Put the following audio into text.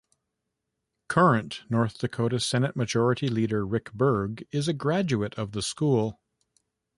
Current North Dakota Senate Majority Leader Rick Berg is a graduate of the school.